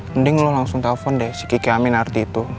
mending lo langsung telfon deh si kiki aminarti itu